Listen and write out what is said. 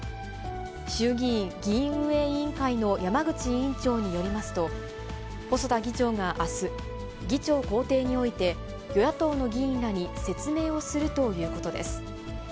衆議院議院運営委員会の山口委員長によりますと、細田議長があす、議長公邸において、与野党の議員らに説明をするということです。